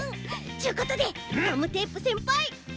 ちゅことでガムテープせんぱい。